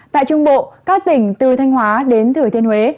tại trung bộ các tỉnh từ thanh hóa đến thừa thiên huế